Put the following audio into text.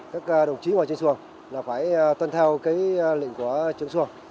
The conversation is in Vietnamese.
các đồng chí ngoài trên xuồng là phải tuân theo cái lệnh của trường xuồng